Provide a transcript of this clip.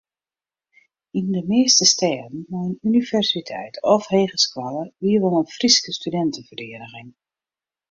Yn de measte stêden mei in universiteit of hegeskoalle wie wol in Fryske studinteferiening.